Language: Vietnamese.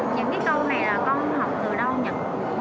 những cái câu này là con học từ đâu nhỉ